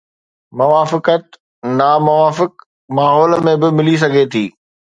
موافقت ناموافق ماحول ۾ به ملي سگهي ٿي.